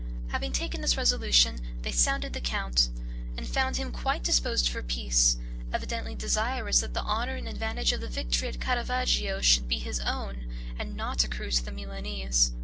Having taken this resolution, they sounded the count, and found him quite disposed for peace, evidently desirous that the honor and advantage of the victory at Caravaggio should be his own, and not accrue to the Milanese.